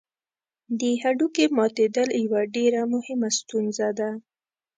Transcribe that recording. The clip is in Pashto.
د هډوکي ماتېدل یوه ډېره مهمه ستونزه ده.